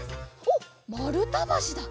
おっまるたばしだ。